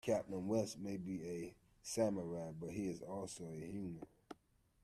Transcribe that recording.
Captain West may be a Samurai, but he is also human.